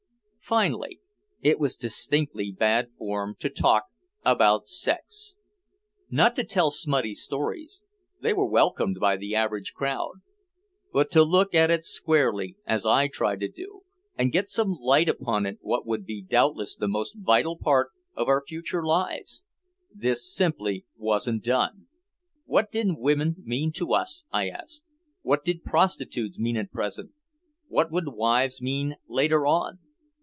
Finally, it was distinctly bad form to talk about sex. Not to tell "smutty stories," they were welcomed by the average crowd. But to look at it squarely, as I tried to do, and get some light upon what would be doubtless the most vital part of our future lives this simply wasn't done. What did women mean to us, I asked. What did prostitutes mean at present? What would wives mean later on?